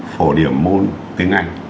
phổ điểm môn tiếng anh